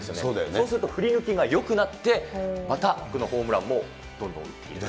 そうすると振り抜きがよくなって、またホームランもどんどん打っていくと。